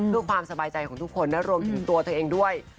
เพื่อความสบายใจของทุกคนนะรวมถึงตัวเธอเองด้วย